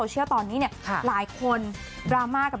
เมื่อก่อนไม่เห็นเป็นแบบนี้เลยค่ะ